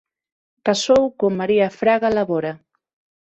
Casou con María Fraga Labora.